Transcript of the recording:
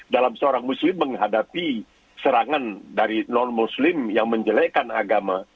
dalam seorang muslim menghadapi serangan dari non muslim yang menjelekan agama